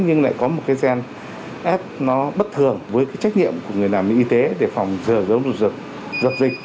nhưng lại có một cái gen s nó bất thường với cái trách nhiệm của người làm y tế để phòng dừa dầu dục dật dịch